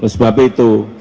oleh sebab itu